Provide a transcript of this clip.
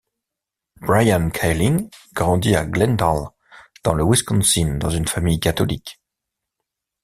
Brian Kaelin grandit à Glendale dans le Wisconsin dans une famille catholique.